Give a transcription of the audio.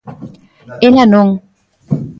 Ela non.